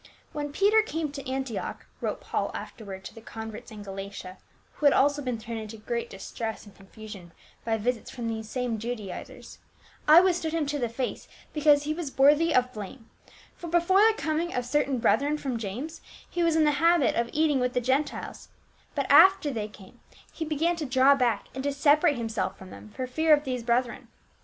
"When Peter came to Antioch,"t wrote Paul after ward to the converts in Galatia — who had also been thrown into great distress and confusion by visits from these same Judaisers, " I withstood him to the face, because he was worthy of blame ; for before the commg of certain brethren from James, he was in the habit of eating with the Gentiles, but after they came, he began to draw back and to separate himself from them for fear of these brethren.